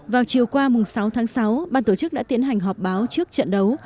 vào chiều qua sáu tháng sáu ban tổ chức đã tiến hành họp báo trước trận đấu